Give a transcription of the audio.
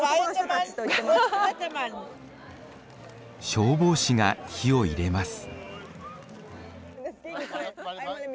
消防士が火を入れます。